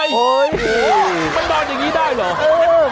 โอ้โหมันนอนอย่างนี้ได้เหรอ